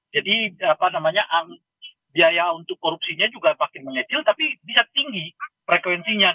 jadi biaya untuk korupsinya juga makin mengecil tapi bisa tinggi frekuensinya